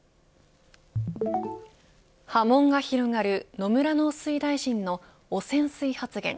波紋が広がる野村農水大臣の汚染水発言。